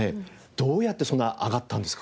どうやってその上がったんですか？